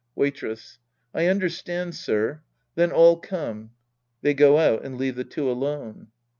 Waitress. I understand, sir. Then, all come. (They go out and leave the two alone.')